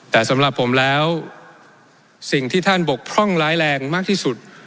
แต่สำหรับผมแล้วสิ่งที่ท่านบกพร่องร้ายแรงมากที่สุด